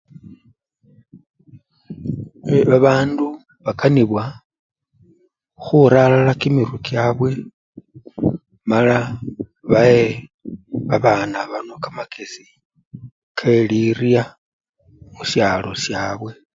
Babandu bakanibwa khura alala kimirwe kyabwe mala bahe babana bano kamakesi kelirya musyalo syabwe.